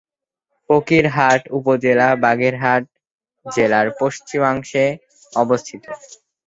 ফকিরহাট উপজেলা বাগেরহাট জেলার পশ্চিমাংশে অবস্থিত।